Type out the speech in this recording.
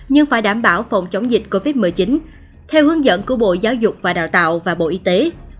nhưng phải đảm bảo phòng chống dịch covid một mươi chín theo hướng dẫn của bộ giáo dục và đào tạo và bộ y tế